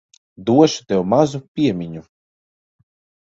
Došu tev mazu piemiņu.